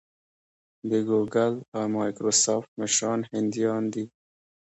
د ګوګل او مایکروسافټ مشران هندیان دي.